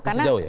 masih jauh ya